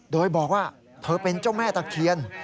โดยบอกว่าเธอเป็นเจ้าแม่ตะเคียน